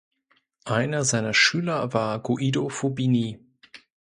Einer seiner Schüler war Guido Fubini.